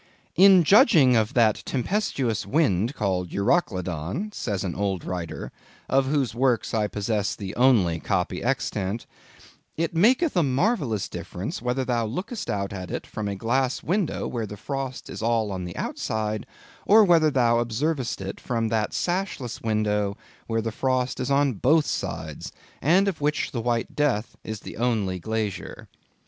"In judging of that tempestuous wind called Euroclydon," says an old writer—of whose works I possess the only copy extant—"it maketh a marvellous difference, whether thou lookest out at it from a glass window where the frost is all on the outside, or whether thou observest it from that sashless window, where the frost is on both sides, and of which the wight Death is the only glazier."